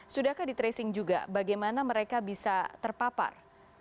sudahkah di tracing juga bagaimana mereka bisa terpapar